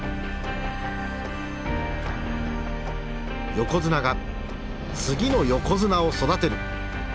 横綱が次の横綱を育てる。